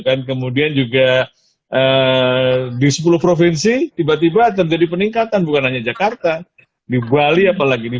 kan kemudian juga besok provinsi tiba tiba terjadi peningkatan bu warnanya jakarta di bali apalagi di